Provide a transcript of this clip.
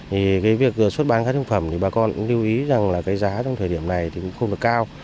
vì việc xuất bán các thương phẩm thì bà con cũng lưu ý rằng là cái giá trong thời điểm này cũng không được cao